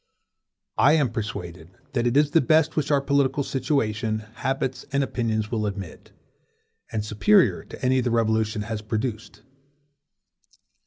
I am persuaded that it is the best which our political situation, habits, and opinions will admit, and superior to any the revolution has produced.